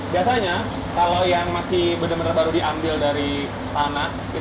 biasanya kalau yang masih benar benar baru diambil dari tanah